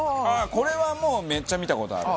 これはもうめっちゃ見た事ある。